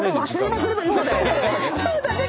そうだね！